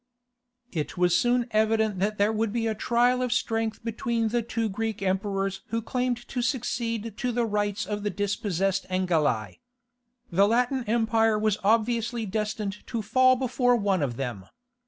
It was soon evident that there would be a trial of strength between the two Greek emperors who claimed to succeed to the rights of the dispossessed Angeli. The Latin Empire was obviously destined to fall before one of them.